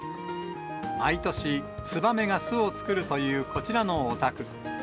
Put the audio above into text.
毎年、ツバメが巣を作るというこちらのお宅。